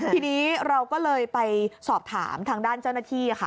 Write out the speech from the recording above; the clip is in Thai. ทีนี้เราก็เลยไปสอบถามทางด้านเจ้าหน้าที่ค่ะ